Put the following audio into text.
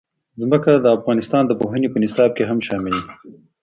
ځمکه د افغانستان د پوهنې په نصاب کې هم شامل دي.